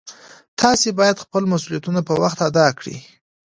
تاسې باید خپل مسؤلیتونه په وخت ادا کړئ